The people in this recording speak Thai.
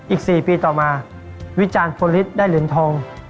อีก๔ปีต่อมาวิจารณ์โฟนฤทธิ์ได้เหลืองทอง